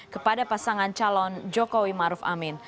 kepada pasangan calon joko wimaruf amin